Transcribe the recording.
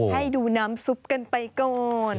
ให้ดูน้ำซุปกันไปก่อน